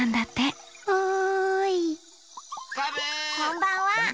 こんばんは。